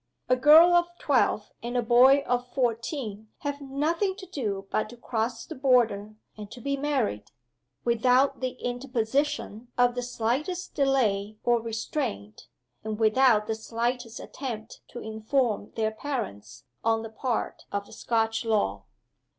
A girl of twelve and a boy of fourteen have nothing to do but to cross the Border, and to be married without the interposition of the slightest delay or restraint, and without the slightest attempt to inform their parents on the part of the Scotch law.